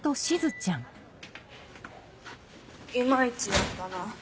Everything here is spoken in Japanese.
いまいちやったな。